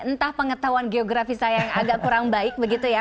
entah pengetahuan geografi saya yang agak kurang baik begitu ya